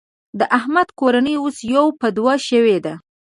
د احمد کورنۍ اوس يوه په دوه شوېده.